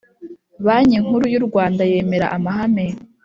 Banki Nkuru y u Rwanda yemera amahame